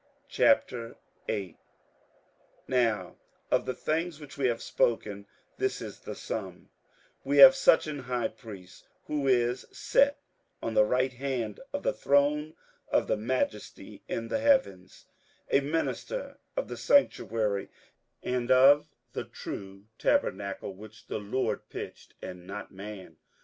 58:008:001 Now of the things which we have spoken this is the sum: We have such an high priest, who is set on the right hand of the throne of the Majesty in the heavens; 58:008:002 A minister of the sanctuary, and of the true tabernacle, which the Lord pitched, and not man.